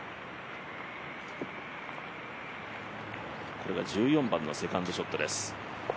これが１４番のセカンドショットです。